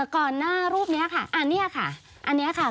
ก่อนหน้ารูปนี้ค่ะอันนี้ค่ะ